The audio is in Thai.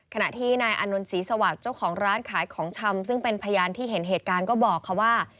ขณะที่นายอานนท์ศรีสวัสดิ์เจ้าของร้านขายของชำซึ่งเป็นพยานที่เห็นเหตุการณ์ก็บอกค่ะว่า